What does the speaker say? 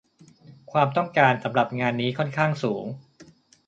ความต้องการสำหรับงานนี้ค่อนข้างสูง